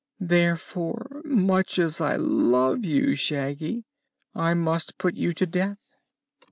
Therefore, much as I love you, Shaggy, I must put you to death."